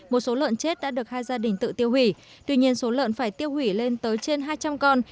một số lợn chết đã được hai gia đình tự tiêu hủy tuy nhiên số lợn phải tiêu hủy lên tới trên hai trăm linh con